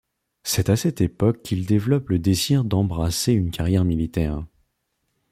C’est à cette époque qu’il développe le désir d’embrasser une carrière militaire.